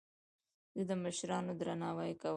زه د مشرانو درناوی کوم.